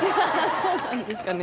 そうなんですかね